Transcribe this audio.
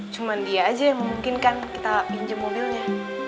cuma dia aja yang memungkinkan kita pinjam mobilnya